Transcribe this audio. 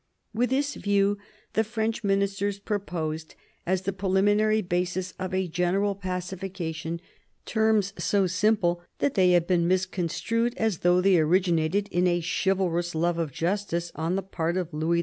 With this view, the French ministers proposed as the preliminary basis of a general pacification terms so simple that they have been misconstrued as though they originated in a chivalrous love of justice on the part of Louis XV.